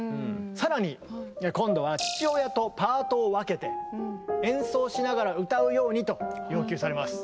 更に今度は父親とパートを分けて演奏しながら歌うようにと要求されます。